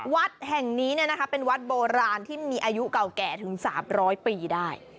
วัดแห่งนี้เป็นวัดโบราณที่มีอายุเก่าแก่ถึง๓๐๐ปีได้